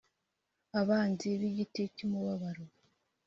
Abanzi b igiti cy umubabaro